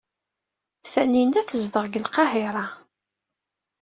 Tanina tezdeɣ deg Lqahira.